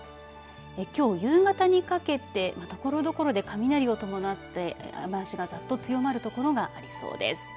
きょう夕方にかけてところどころで雷を伴って雨足がざっと強まるところがありそうです。